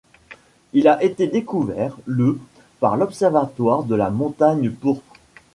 Il a été découvert le par l'observatoire de la Montagne Pourpre.